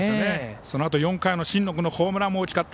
そのあと４回の新野君のホームランも大きかった。